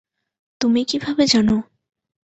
তুমি কীভাবে জানো?